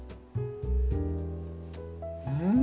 うん。